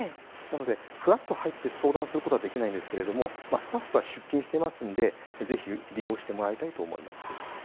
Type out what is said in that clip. ふらっと入って相談することはできないんですがスタッフは出勤していますのでぜひ利用してもらいたいと思います。